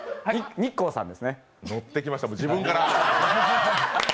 日光のってきました、自分から。